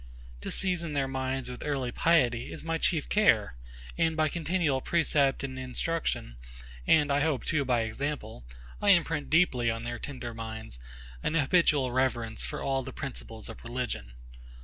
To season their minds with early piety, is my chief care; and by continual precept and instruction, and I hope too by example, I imprint deeply on their tender minds an habitual reverence for all the principles of religion.